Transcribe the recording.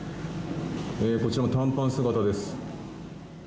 こちらも短パン姿です。